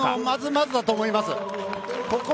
まずまずだと思います。